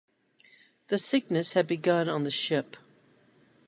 The sickness had begun on the ship.